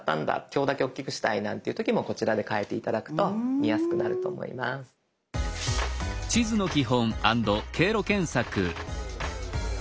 今日だけ大きくしたいなんていう時もこちらで変えて頂くと見やすくなると思います。